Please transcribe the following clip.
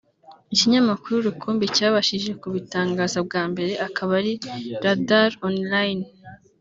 Ikinyamakuru rukumbi cyabashije kubitangaza bwa mbere akaba ari RadarOnline